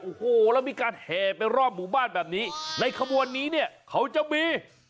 โอ้โหแล้วมีการแห่ไปรอบหมู่บ้านแบบนี้ในขบวนนี้เนี่ยเขาจะมี